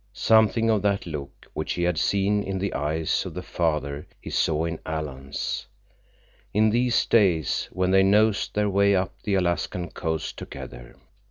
Something of that look which he had seen in the eyes of the father he saw in Alan's, in these days when they nosed their way up the Alaskan coast together.